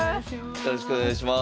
よろしくお願いします。